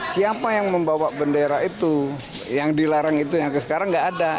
siapa yang membawa bendera itu yang dilarang itu yang sekarang nggak ada